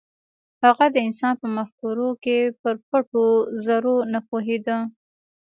هغه د انسان په مفکورو کې پر پټو زرو نه پوهېده.